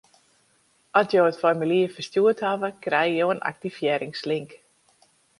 At jo it formulier ferstjoerd hawwe, krijge jo in aktivearringslink.